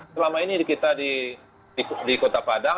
selama ini kita di kota padang